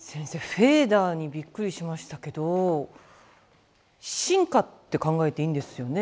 フェーダーにびっくりしましたけど進化って考えていいんですよね。